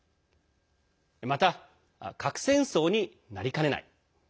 また、核戦争になりかねない。